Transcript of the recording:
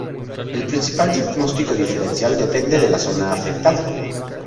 El principal diagnóstico diferencial depende de la zona afectada.